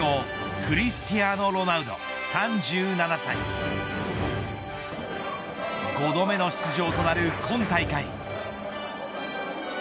クリスティアーノ・ロナウド３７歳５度目の出場となる今大会。